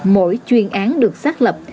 mỗi chuyên án được xác lập